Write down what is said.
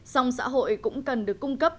song xã hội cũng cần được cung cấp